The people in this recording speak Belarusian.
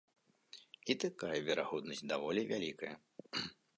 І такая верагоднасць даволі вялікая.